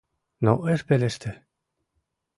Но ыш пелеште.